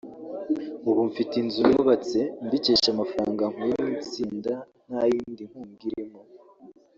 ubu mfite inzu nubatse mbikesha amafaranga nkuye mu itsinda nta yindi nkunga irimo”